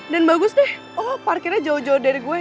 dan bagus deh oh parkirnya jauh jauh dari gue